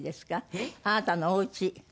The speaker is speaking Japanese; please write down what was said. えっ？あなたのおうち。